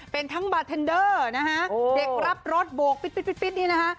เป็นทั้งบาร์เทนเดอร์นะฮะเด็กรับรถโบกปิดนี่นะคะ